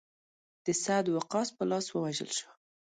د سعد وقاص په لاس ووژل شو.